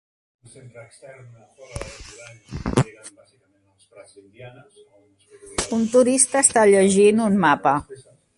Un turista està llegint un mapa.